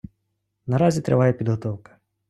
Наразі триває підготовка.